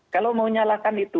kalau mau nyalakan itu